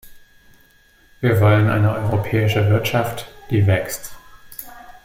Wir wollen eine europäische Wirtschaft, die wächst.